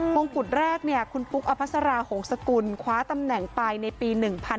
งงกุฎแรกคุณปุ๊กอภัสราหงษกุลคว้าตำแหน่งไปในปี๑๕